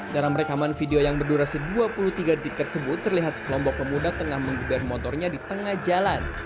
dalam rekaman video yang berdurasi dua puluh tiga detik tersebut terlihat sekelompok pemuda tengah menggeber motornya di tengah jalan